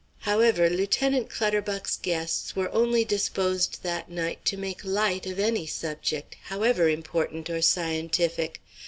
However, Lieutenant Clutterbuck's guests were only disposed that night to make light of any subject however important or scientific.